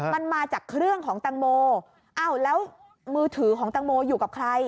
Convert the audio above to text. มันมาจากเครื่องของตังโมอ้าวแล้วมือถือของตังโมอยู่กับใคร